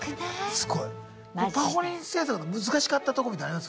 すごい。ぱほりん制作で難しかったとこみたいのあります？